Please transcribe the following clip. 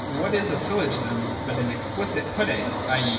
And what is a Syllogism but an explicit putting, i.